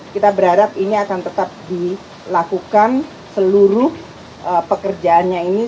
kita berharap ini akan tetap dilakukan seluruh pekerjaannya ini